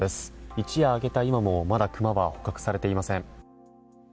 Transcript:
一夜明けた今もまだ熊は捕獲されていません。